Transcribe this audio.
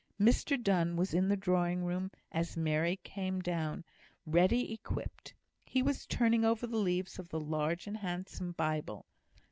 Mr Donne was in the drawing room as Mary came down ready equipped; he was turning over the leaves of the large and handsome Bible.